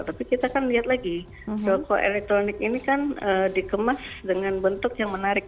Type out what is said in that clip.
tapi kita kan lihat lagi rokok elektronik ini kan dikemas dengan bentuk yang menarik